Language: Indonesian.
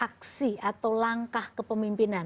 aksi atau langkah kepemimpinan